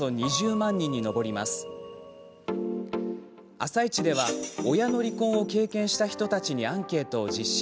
「あさイチ」では親の離婚を経験した人たちにアンケートを実施。